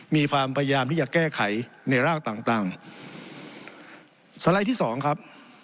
มีความพยายามที่จะแก้ไขในรากต่างต่างสไลด์ที่สองครับ